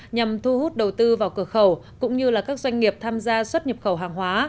nhằm thu hút đầu tư vào cửa khẩu cũng như các doanh nghiệp tham gia xuất nhập khẩu hàng hóa